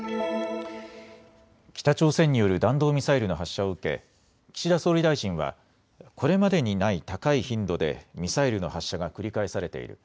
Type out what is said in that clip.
北朝鮮による弾道ミサイルの発射を受け、岸田総理大臣はこれまでにない高い頻度でミサイルの発射が繰り返されている。